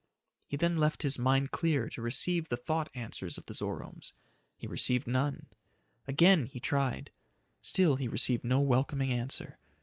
He then left his mind clear to receive the thought answers of the Zoromes. He received none. Again he tried. Still he received no welcoming answer.